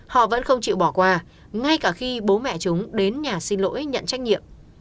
họ vẫn không chịu bỏ qua ngay cả khi bố mẹ chúng đến nhà xin lỗi nhận trách nhiệm